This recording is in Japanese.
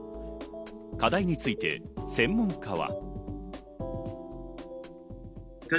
課題について専門家は。